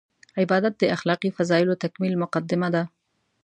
عبادت د اخلاقي فضایلو تکمیل مقدمه ده.